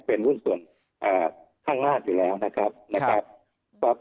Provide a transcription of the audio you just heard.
เป็นร่วมส่วนข้างล่างอยู่แล้วนะครับ